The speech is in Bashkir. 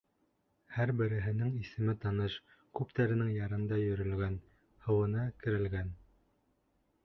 Һәр береһенең исеме таныш, күптәренең ярында йөрөлгән, һыуына керелгән.